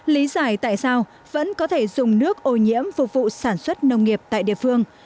lý giải tại sao vẫn có thể dùng nước ô nhiễm phục vụ sản xuất nông nghiệp tại địa phương